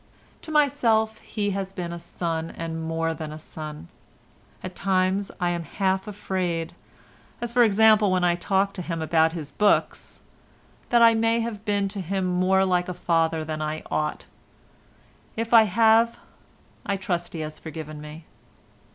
To myself he has been a son and more than a son; at times I am half afraid—as for example when I talk to him about his books—that I may have been to him more like a father than I ought; if I have, I trust he has forgiven me.